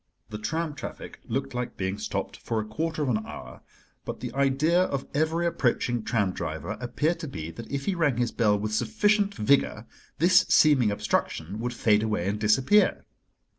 The tram traffic looked like being stopped for a quarter of an hour; but the idea of every approaching tram driver appeared to be that if he rang his bell with sufficient vigor this seeming obstruction would fade away and disappear.